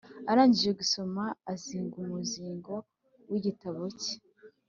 Arangije gusoma azinga umuzingo w igitabo cye